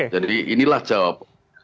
jadi inilah jawabannya